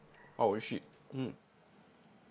おいしい！